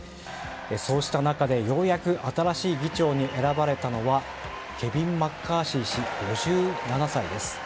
そうした中でようやく新しい議長に選ばれたのはケビン・マッカーシー氏５７歳です。